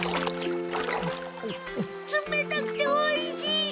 つめたくておいしい！